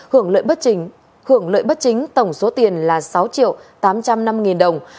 hưởng lợi bất chính tổng số tiền là sáu triệu tám trăm linh năm đồng